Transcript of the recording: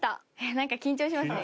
なんか緊張しますね